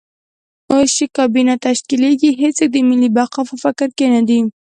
اوس چې کابینه تشکیلېږي هېڅوک د ملي بقا په فکر کې نه دي.